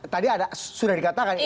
tadi sudah dikatakan